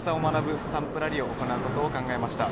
スタンプラリーを行うことを考えました。